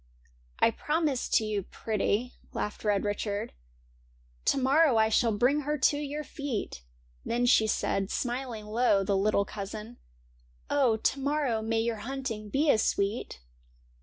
' I promise to you, pretty,' laughed Red Richard, ' To morrow 1 shall bring her to your feet '; Then she said, smiling low, the little cousin, ' Oh, to morrow may your hunting be as sweet